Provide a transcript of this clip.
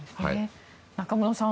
中室さん